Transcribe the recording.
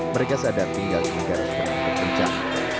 mereka sadar tinggal di garasi tanah terpencah